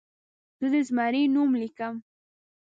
زه د زمري نوم لیکم.